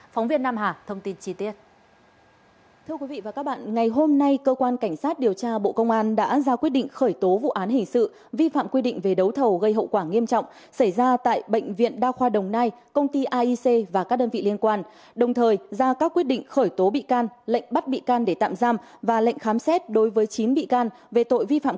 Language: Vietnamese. phóng viên nam hà thông tin chi tiết